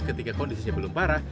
ketika kondisinya belum parah